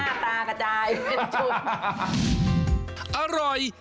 แต่หน้าตากระจายเป็นชุด